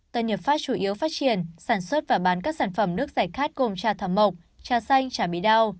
tân hiệp pháp chủ yếu phát triển sản xuất và bán các sản phẩm nước giải khát gồm trà thảm mộc trà xanh trà bị đau